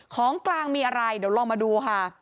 ของกลางมีอะไรเดี๋ยวลองมาดูค่ะ